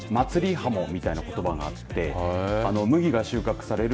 はもみたいなことばがあって麦が収穫される